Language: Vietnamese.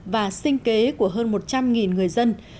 và sinh kế của hơn một trăm linh người dân